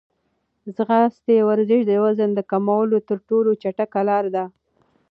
د ځغاستې ورزش د وزن د کمولو تر ټولو چټکه لاره ده.